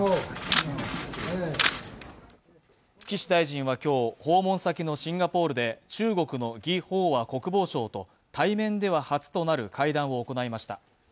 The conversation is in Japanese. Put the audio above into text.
岸大臣は今日、訪問先のシンガポールで中国の魏鳳和国防相と対面では初となる会談を行いました。